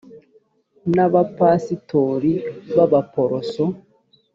n abapasitori b abaporoso